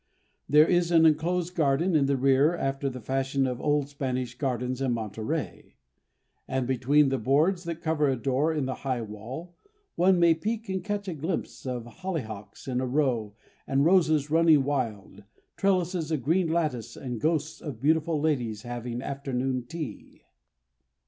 There is an enclosed garden in the rear after the fashion of old Spanish gardens in Monterey. And between the boards that cover a door in the high wall, one may peek and catch a glimpse of hollyhocks in a row and roses running wild, trellises of green lattice and ghosts of beautiful ladies having afternoon tea.